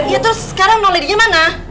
ya terus sekarang no lady nya mana